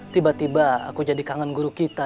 tiba tiba aku jadi kangen guru kita